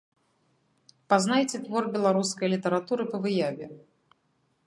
Пазнайце твор беларускай літаратуры па выяве.